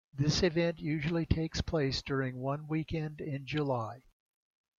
This event usually takes place during one weekend in July.